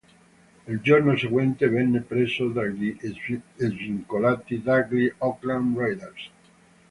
Il giorno seguente venne preso dagli svincolati dagli Oakland Raiders.